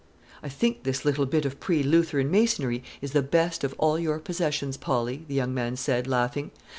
"I think this little bit of pre Lutheran masonry is the best of all your possessions, Polly," the young man said, laughing.